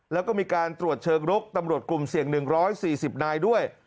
แล้วก็มีการตรวจเชิงรุกตำรวจกลุ่มเสี่ยง๑๔๐นายด้วย